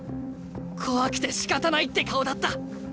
怖くてしかたないって顔だった。